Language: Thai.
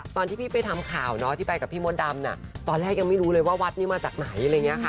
ตอนที่พี่ไปทำข่าวที่ไปกับพี่มดดำตอนแรกยังไม่รู้เลยว่าวัดนี้มาจากไหน